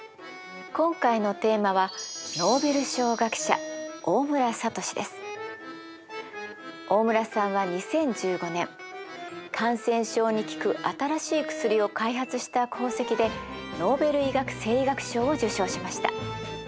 今回のテーマは大村さんは２０１５年感染症に効く新しい薬を開発した功績でノーベル医学・生理学賞を受賞しました。